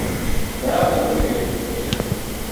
بڑا تنگ ہو کے کیل پوہچیا